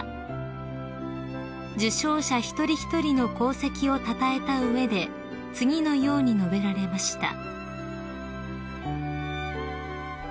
［受賞者一人一人の功績をたたえた上で次のように述べられました］